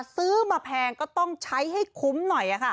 ซื้อมาแพงก็ต้องใช้ให้คุ้มหน่อย